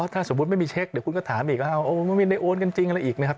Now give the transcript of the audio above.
ถ้าสมมุติไม่มีเช็คเดี๋ยวคุณก็ถามอีกว่าไม่ได้โอนกันจริงอะไรอีกนะครับ